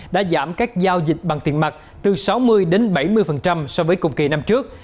đã giảm các giao dịch bằng tiền mặt từ sáu mươi đến bảy mươi so với cùng kỳ năm trước